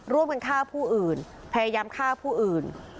ร่วมกันฆ่าผู้อื่นพยายามฆ่าผู้อื่น